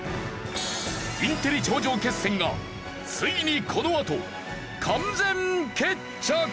インテリ頂上決戦がついにこのあと完全決着！